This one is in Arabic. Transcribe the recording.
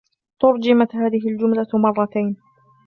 ترجمت هذه الجملة مرتين.